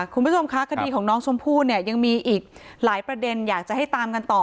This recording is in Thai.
คุณผู้ชมคะคดีของน้องชมพู่เนี่ยยังมีอีกหลายประเด็นอยากจะให้ตามกันต่อ